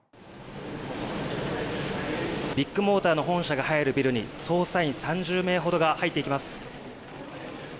ビッグモーターの本社が入るビルに捜査員３０名ほどが入っていきます。